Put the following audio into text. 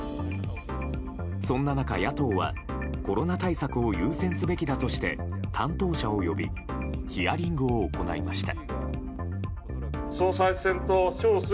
そんな中、野党はコロナ対策を優先すべきだとして担当者を呼びヒアリングを行いました。